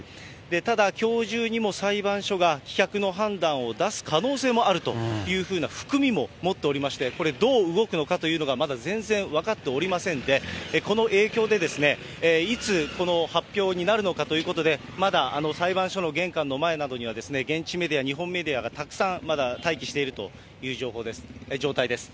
ただ、きょう中にも裁判所が棄却の判断を出す可能性もあるというふうな含みももっておりまして、これ、どう動くのかというのが、まだ全然分かっておりませんで、この影響で、いつ、この発表になるのかということで、まだ裁判所の玄関の前などには、現地メディア、日本メディアがたくさんまだ待機しているという状態です。